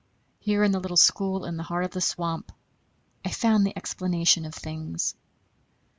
Here in the little school in the heart of the swamp I found the explanation of things.